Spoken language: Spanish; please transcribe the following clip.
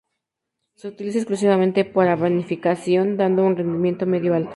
Se utiliza exclusivamente para vinificación, dando un rendimiento medio-alto.